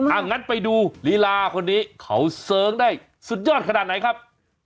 งั้นไปดูลีลาคนนี้เขาเสิร์งได้สุดยอดขนาดไหนครับ